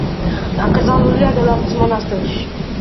დაკრძალულია გელათის მონასტერში.